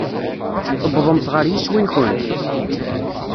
Tewwḍemt ɣer yiswi-nkent?